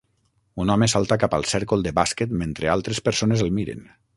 Un home salta cap al cèrcol de bàsquet mentre altres persones el miren.